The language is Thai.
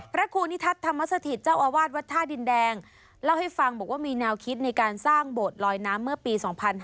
พระครูนิทัศน์ธรรมสถิตเจ้าอาวาสวัดท่าดินแดงเล่าให้ฟังบอกว่ามีแนวคิดในการสร้างโบสถ์ลอยน้ำเมื่อปี๒๕๕๙